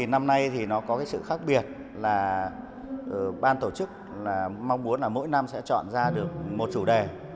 năm nay có sự khác biệt là ban tổ chức mong muốn mỗi năm sẽ chọn ra được một chủ đề